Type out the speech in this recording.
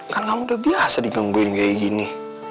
kan kamu udah biasa digangguin kayak gini